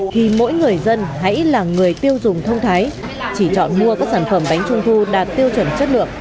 thì mỗi người dân hãy là người tiêu dùng thông thái chỉ chọn mua các sản phẩm bánh trung thu đạt tiêu chuẩn chất lượng